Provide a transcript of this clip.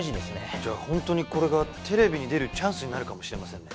じゃあ本当にこれがテレビに出るチャンスになるかもしれませんね。